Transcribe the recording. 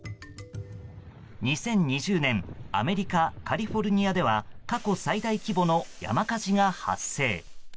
２０２０年アメリカ・カリフォルニアでは過去最大規模の山火事が発生。